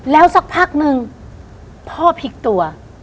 แล้วสักพักนึงพ่อพลิกตัว